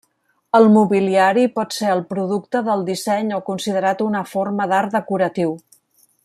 El mobiliari pot ser el producte del disseny o considerat una forma d'art decoratiu.